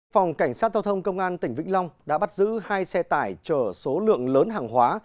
phòng cảnh sát giao thông công an tỉnh vĩnh long đã bắt giữ hai xe tải chở số lượng lớn hàng hóa